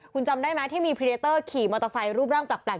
คุณจำได้ไหมที่มีพรีเดเตอร์ขี่มอเตอร์ไซค์รูปร่างแปลก